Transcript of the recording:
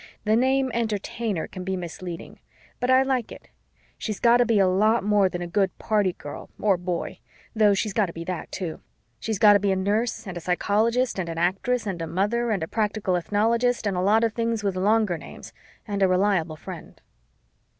The name Entertainer can be misleading, but I like it. She's got to be a lot more than a good party girl or boy though she's got to be that too. She's got to be a nurse and a psychologist and an actress and a mother and a practical ethnologist and a lot of things with longer names and a reliable friend.